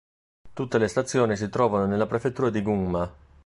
Tutte le stazioni si trovano nella prefettura di Gunma.